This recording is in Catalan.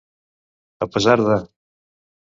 A pesar de.